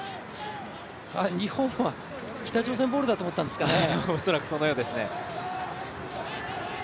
日本は北朝鮮ボールだと思ったんですかね。